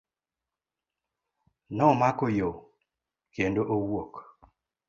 Nomako yoo kendo owuok.